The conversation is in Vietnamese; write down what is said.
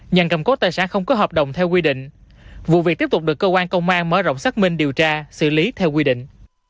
nhằm cầm cốt tài sản không có hợp đồng theo quy định vụ việc tiếp tục được cơ quan công an mở rộng xác minh điều tra xử lý theo quy định